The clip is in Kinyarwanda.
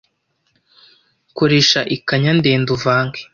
Koresha ikanya ndende uvange,